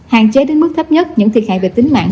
hạn chế đến mức thấp nhất những thiệt hại về tính mạng